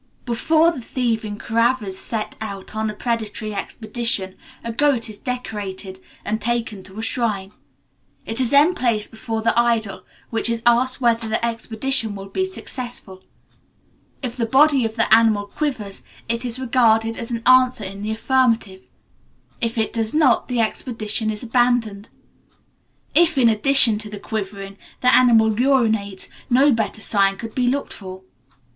Before the thieving Koravas set out on a predatory expedition, a goat is decorated, and taken to a shrine. It is then placed before the idol, which is asked whether the expedition will be successful. If the body of the animal quivers, it is regarded as an answer in the affirmative; if it does not, the expedition is abandoned. If, in addition to quivering, the animal urinates, no better sign could be looked for.